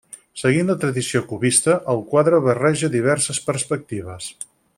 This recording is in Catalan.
Seguint la tradició cubista, el quadre barreja diverses perspectives.